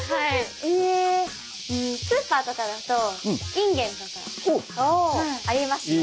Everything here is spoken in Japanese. うんスーパーとかだとインゲンとかありますね。